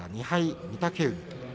２敗、御嶽海。